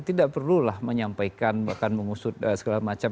tidak perlulah menyampaikan bahkan mengusut segala macam